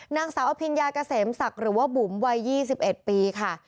นางสาวอภิญญาเกษมศักดิ์หรือว่าบุ๋มวัย๒๑ปีค่ะ